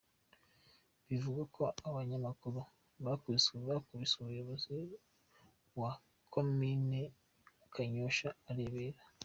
Bivugwa ko aba banyamakuru bakubiswe umuyobozi wa Komini Kanyosha arebera.